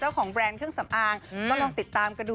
ฉันไม่มีทางมานั่งนำร้ายน้องหน้างามหรอก